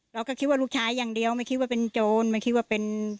เราก็คิดว่าลูกชายอย่างเดียวไม่คิดว่าเป็นโจรไม่คิดว่าเป็น